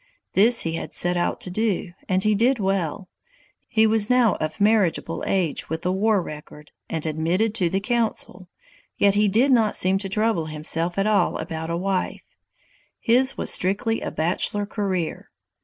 This he had set out to do, and he did well. He was now of marriageable age with a war record, and admitted to the council, yet he did not seem to trouble himself at all about a wife. His was strictly a bachelor career.